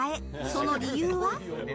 その理由は？